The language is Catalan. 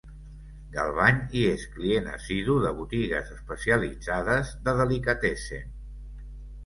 Galvany i és client assidu de botigues especialitzades de delikatessen.